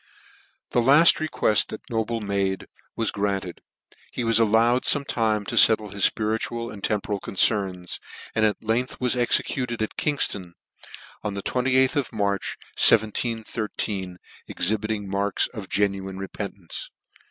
The laft requeft that Noble made was granted, He was allowed fome time to fettle his fpiritual and temporal concerns, and at length was exe cuted at Kingfton on the 28th of March, 171,3, exhibiting marks of genuine repentance.